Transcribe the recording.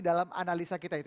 dalam analisa kita itu